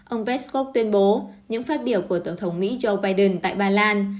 ông peskov tuyên bố những phát biểu của tổng thống mỹ joe biden tại ba lan